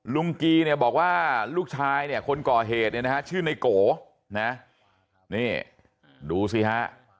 กีเนี่ยบอกว่าลูกชายเนี่ยคนก่อเหตุเนี่ยนะฮะชื่อในโกนะนี่ดูสิฮะ